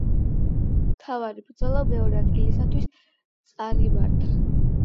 მთავარი ბრძოლა მეორე ადგილისათვის წარიმართა.